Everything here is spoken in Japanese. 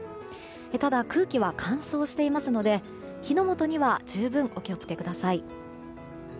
ただ、空気は乾燥していますので火の元には十分お気を付けください。